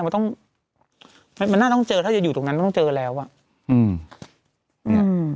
มันต้องมันน่าต้องเจอถ้าจะอยู่ตรงนั้นมันต้องเจอแล้วอ่ะอืมเนี้ยอืม